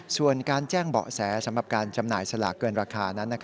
ส่วนการแจ้งเบาะแสสำหรับการจำหน่ายสลากเกินราคานั้น